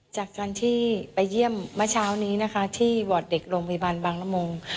จากการที่ไปเยี่ยมเมื่อเช้านี้นะคะที่วอร์ดเด็กโรงพยาบาลบางละมุง